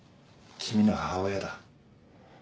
君の母親だ。